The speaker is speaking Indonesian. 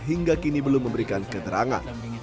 hingga kini belum memberikan keterangan